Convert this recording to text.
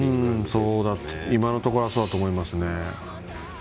今のところはそうだと思いますね。